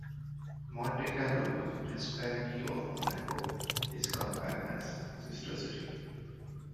Monte Carlo in the Principality of Monaco is Campagna's sister city.